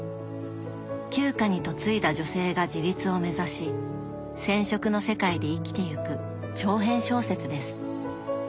旧家に嫁いだ女性が自立を目指し染織の世界で生きてゆく長編小説です。